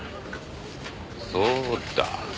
そうだ。